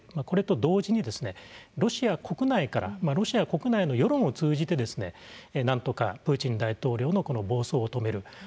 これと同時にロシア国内の世論を通じてなんとかプーチン大統領のこの暴走を止める。